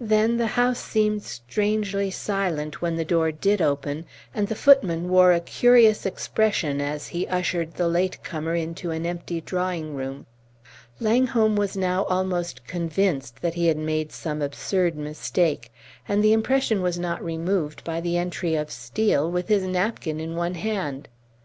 Then the house seemed strangely silent when the door did open, and the footman wore a curious expression as he ushered the late comer into an empty drawing room. Langholm was now almost convinced that he had made some absurd mistake, and the impression was not removed by the entry of Steel with his napkin in one hand.